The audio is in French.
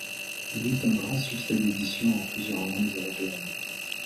Il eut un grand succès d’éditions en plusieurs langues européennes.